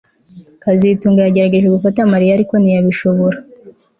kazitunga yagerageje gufata Mariya ariko ntiyabishobora